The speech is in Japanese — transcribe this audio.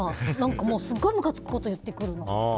すごいむかつくこと言ってくる。